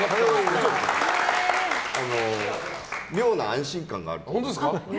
妙な安心感があります。